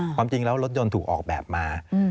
ความจริงแล้วรถยนต์ถูกออกแบบมา